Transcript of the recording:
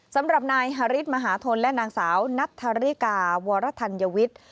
สำหรับนายฮาริสมหาทนและนางสาวนัทธาริกาวรธัญวิทย์